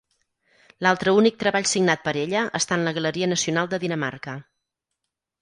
L'altre únic treball signat per ella està en la Galeria Nacional de Dinamarca.